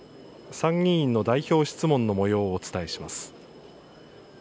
参議院の代表質問のもようをお伝えします。